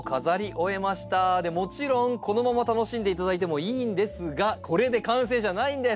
でもちろんこのまま楽しんでいただいてもいいんですがこれで完成じゃないんです。